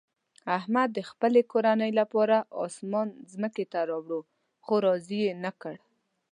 احمد د خپلې کورنۍ لپاره اسمان ځمکې ته راوړ، خو راضي یې نه کړه.